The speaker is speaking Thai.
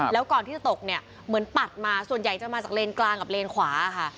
แล้วก่อนที่จะตกเนี่ยเหมือนปัดมาส่วนใหญ่จะมาจากเลนกลางกับเลนขวาค่ะ